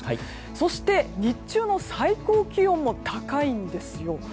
そして、日中の最高気温も高いんですよ。